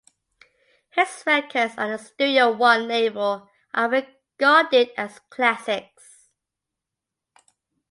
His records on the Studio One label are regarded as classics.